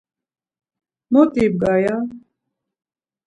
Mot ibgar ya.